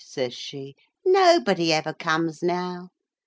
says she, "nobody ever comes now.